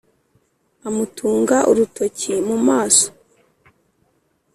Amutunga urutoki mu maso